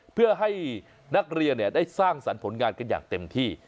เพื่อให้นักเรียนได้สร้างสรรค์ผลงานกันอย่างเต็มที่